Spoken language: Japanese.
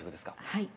はい。